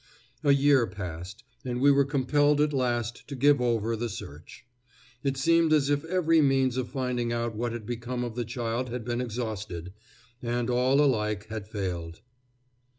A year passed, and we were compelled at last to give over the search. It seemed as if every means of finding out what had become of the child had been exhausted, and all alike had failed.